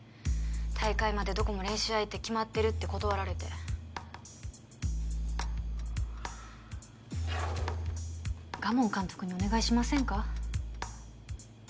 大会までどこも練習相手決まってるって断られて賀門監督にお願いしませんか？